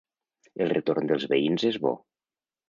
El retorn dels veïns és bo.